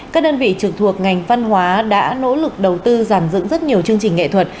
các đơn vị trực thuộc ngành văn hóa đã nỗ lực đầu tư giản dựng rất nhiều chương trình nghệ thuật